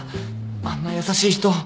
あんな優しい人。